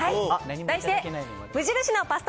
題して無印のパスタ